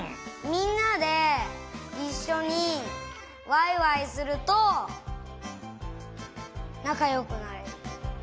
みんなでいっしょにワイワイするとなかよくなれる。